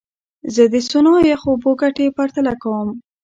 زه د سونا او یخو اوبو ګټې پرتله کوم.